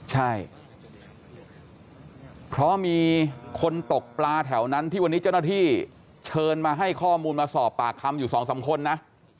ใช่เพราะมีคนตกปลาแถวนั้นที่วันนี้เจ้าหน้าที่เชิญมาให้ข้อมูลมาสอบปากคำอยู่สองสามคนนะ